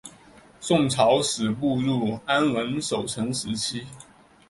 宋朝始步入安稳守成时期。